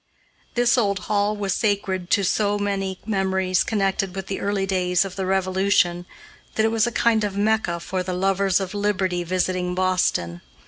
This old hall was sacred to so many memories connected with the early days of the Revolution that it was a kind of Mecca for the lovers of liberty visiting Boston.